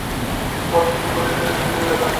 Word, cabin, paediatrics এসব ইংরেজিতেই লেখা।